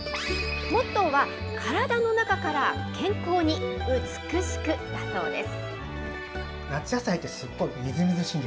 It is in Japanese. モットーは、体の中から健康に美しくだそうです。